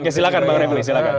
ya silahkan bang refli silahkan